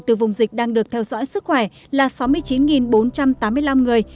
từ vùng dịch đang được theo dõi sức khỏe là sáu mươi chín bốn trăm tám mươi năm người